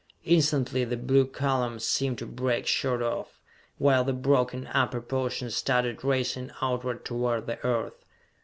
Instantly the blue column seemed to break short off, while the broken upper portion started racing outward toward the Earth.